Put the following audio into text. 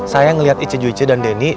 saya ngeliat ice juice dan denny